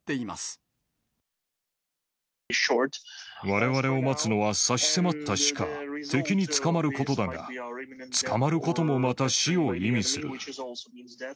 われわれを待つのは、差し迫った死か、敵に捕まることだが、捕まることもまた死を意味する。